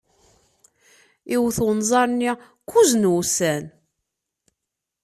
Iwet unẓar-nni kuẓ n wussan.